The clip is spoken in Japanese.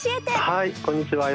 はいこんにちは。